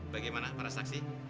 bagaimana para saksi